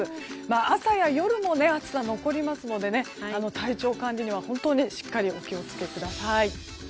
朝や夜も暑さが残りますので体調管理には本当にしっかりお気を付けください。